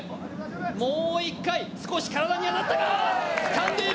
もう一回、少し体に当たったか、つかんでいる。